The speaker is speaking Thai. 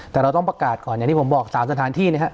แต่เราต้องประกาศก่อนอย่างที่ผมบอก๓สถานที่นะครับ